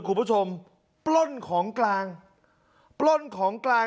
คุณผู้ชมปล้นของกลางปล้นของกลาง